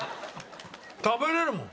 食べられるもん。